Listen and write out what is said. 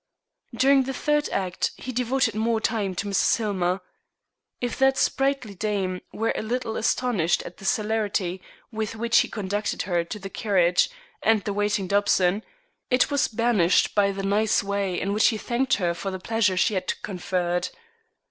During the third act he devoted more time to Mrs. Hillmer. If that sprightly dame were a little astonished at the celerity with which he conducted her to her carriage and the waiting Dobson, it was banished by the nice way in which he thanked her for the pleasure she had conferred.